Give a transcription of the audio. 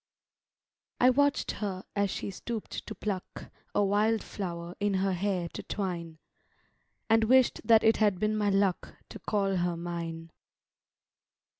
I WATCH'D her as she stoop'd to pluck A wildflower in her hair to twine; And wish'd that it had been my luck To call her mine.